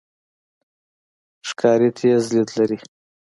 ښکاري تیز لید لري.